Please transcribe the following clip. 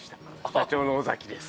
社長の尾崎です。